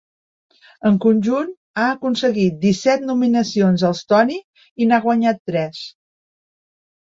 En conjunt, ha aconseguit disset nominacions als Tony i n'ha guanyat tres.